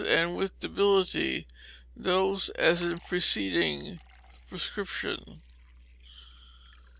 with debility; dose as in preceding prescription.